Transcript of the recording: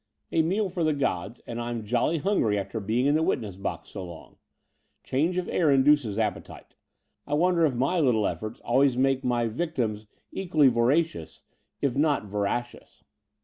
"A meal for the gods; and I'm jolly hungry after being in the witness box so long. Change of air induces appetite. I wonder if my little efforts always make my victims equally vora cious, if not veracious?"